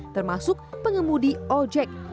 termasuk pengemudi ojek